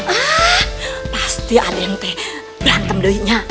ah pasti aden teh berantem doinya